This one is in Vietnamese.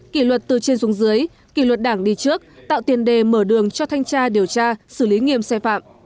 kỷ luật từ trên xuống dưới kỷ luật đảng đi trước tạo tiền đề mở đường cho thanh tra điều tra xử lý nghiêm xe phạm